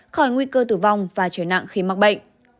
khỏi nguy cơ tử vong và trở nặng khi mắc bệnh